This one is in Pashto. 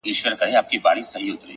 دا غمى اوس له بــازاره دى لوېـدلى _